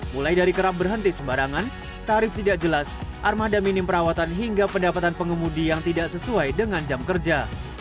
mulai dari kerap berhenti sembarangan tarif tidak jelas armada minim perawatan hingga pendapatan pengemudi yang tidak sesuai dengan jam kerja